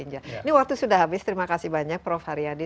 ini waktu sudah habis terima kasih banyak prof haryadi